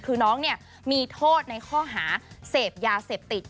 คือน้องเนี่ยมีโทษในข้อหาเสพยาเสพติด